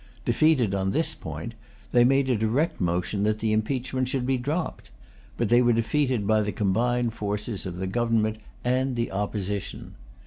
Defeated on this point, they made a direct motion that the impeachment should be dropped; but they were defeated by the combined forces of the Government and the Opposition.